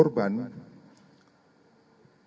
ini kebenaran yang dipercaya